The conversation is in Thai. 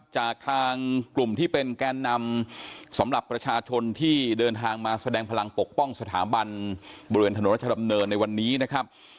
จากทางกลุ่มที่เป็นแกนนำสำหรับประชาชนที่เดินทางมาแสดงพลังปกป้องสถาบันบริเวณถนนรัชดำเนินในวันนี้นะครับ